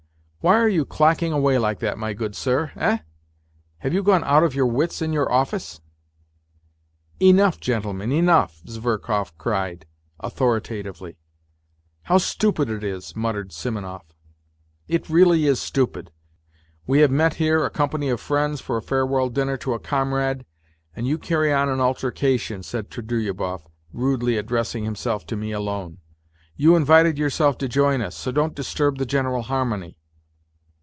" Why are you clacking away b'ke that, my good sir, eh ? Have you gone out of your wits in your office ?"" Enough, gentlemen, enough !" Zverkov cried, authoritatively. " How stupid it is 1 " muttered. Simonov. " It really is stupid. We have met here, a company of friends, for a farewell dinner to a comrade and you carry on an alter cation," said Trudolyubov, rudely addressing himself to me alone. " You invited yourself to join us, so don't disturb the general harmony."